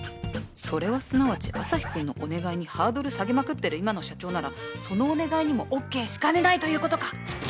それはすなわちアサヒくんのお願いにハードル下げまくってる今の社長ならそのお願いにもオッケーしかねないという事か